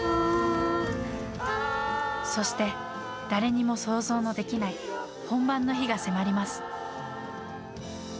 そして誰にも想像のできない本番の日が迫ります。